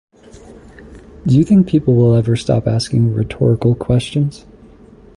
Do you think people will ever stop asking rhetorical questions?